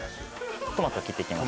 トマト切っていきます